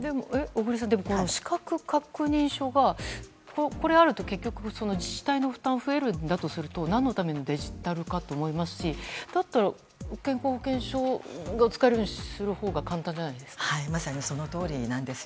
この資格確認書があると自治体の負担が増えるんだとすると、何のためのデジタル化？と思いますしだったら、健康保険証が使えるようにするほうがまさに、そのとおりなんです。